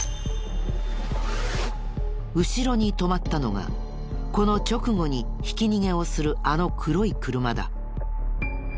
後ろに止まったのがこの直後にひき逃げをするあの黒い車だ。